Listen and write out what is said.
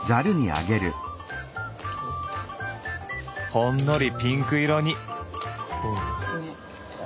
ほんのりピンク色に。